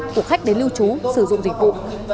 của khách đến lưu trú sử dụng dịch vụ